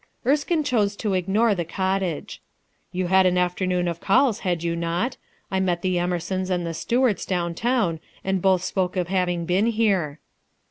Erskine chose to ignore the cottage. "You had an afternoon of calls, had you not? I met the Emersons and the Stuarts down town and both spoke of having been here."